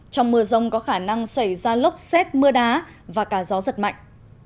trong mưa rông có khả năng xảy ra lốc xét mưa đá và cả gió giật mạnh